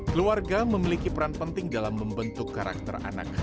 keluarga memiliki peran penting dalam membentuk karakter anak